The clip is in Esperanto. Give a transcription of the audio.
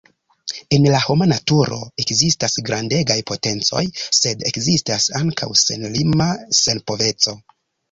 En la homa naturo ekzistas grandegaj potencoj, sed ekzistas ankaŭ senlima senpoveco.